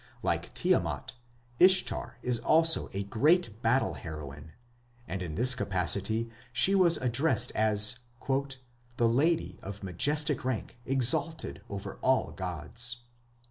Like Tiamat, Ishtar is also a great battle heroine, and in this capacity she was addressed as "the lady of majestic rank exalted over all gods".